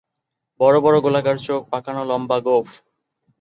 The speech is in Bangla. বড়-বড় গোলাকার চোখ, পাকানো লম্বা গোঁফ।